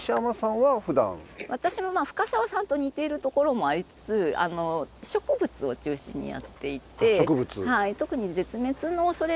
私も深澤さんと似ているところもありつつ植物を中心にやっていて。